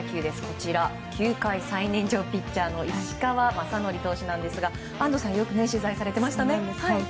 こちら、球界最年長ピッチャーの石川雅規投手ですが安藤さんはよくよく取材されていましたね。